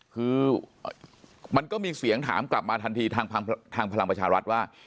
คือมันก็มีเสียงถามกลับมาทันทีทางพลังประชารัฐว่า